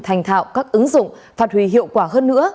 thành thạo các ứng dụng phát huy hiệu quả hơn nữa